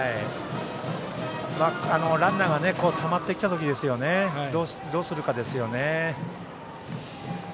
ランナーがたまってきた時どうするかですよね。